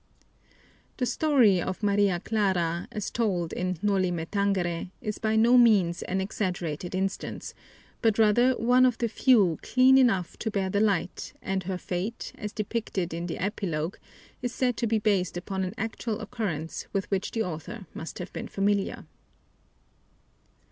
The story of Maria Clara, as told in Noli Me Tangere, is by no means an exaggerated instance, but rather one of the few clean enough to bear the light, and her fate, as depicted in the epilogue, is said to be based upon an actual occurrence with which the author must have been familiar.